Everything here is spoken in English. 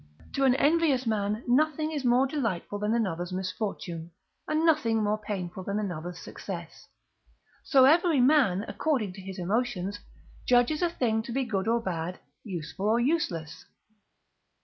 To an envious man nothing is more delightful than another's misfortune, and nothing more painful than another's success. So every man, according to his emotions, judges a thing to be good or bad, useful or useless.